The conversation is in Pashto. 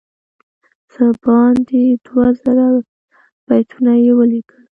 څه باندې دوه زره بیتونه یې ولیکل.